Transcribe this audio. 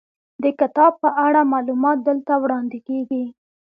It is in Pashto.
د کتاب په اړه معلومات دلته وړاندې کیږي.